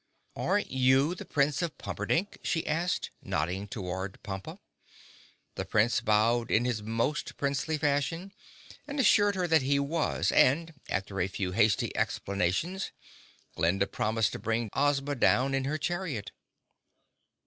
"Aren't you the Prince of Pumperdink?" she asked, nodding toward Pompa. The Prince bowed in his most princely fashion and assured her that he was and, after a few hasty explanations, Glinda promised to bring Ozma down in her chariot.